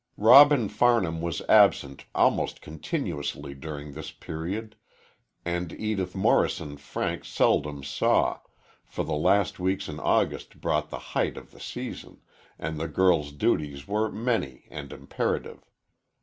Robin Farnham was absent almost continuously during this period, and Edith Morrison Frank seldom saw, for the last weeks in August brought the height of the season, and the girl's duties were many and imperative.